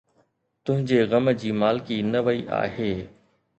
تنھنجي غم جي مالڪي نه وئي آھي